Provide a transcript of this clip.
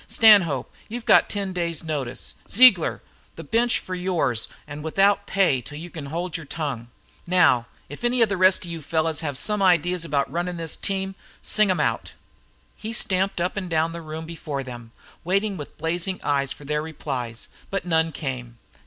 "Stanhope, you've got ten days' notice. Ziegler, the bench for yours without pay till you can hold your tongue. Now, if any of the rest of you fellows have some ideas about runnin' this team, sing 'em out!" He stamped up and down the room before them, waiting with blazing eyes for their replies, but none came.